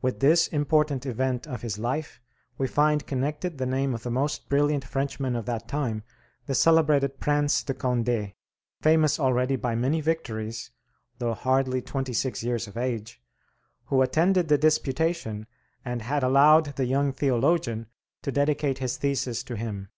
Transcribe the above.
With this important event of his life we find connected the name of the most brilliant Frenchman of that time, the celebrated Prince de Condé, famous already by many victories, though hardly twenty six years of age, who attended the disputation and had allowed the young theologian to dedicate his thesis to him.